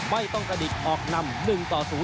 ไม่ต้องกระดิกออกนำ๑ต่อ๐